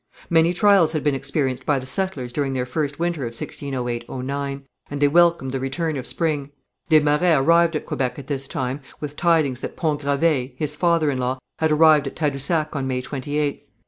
Many trials had been experienced by the settlers during their first winter of 1608 09, and they welcomed the return of spring. Des Marets arrived at Quebec at this time, with tidings that Pont Gravé, his father in law, had arrived at Tadousac on May 28th.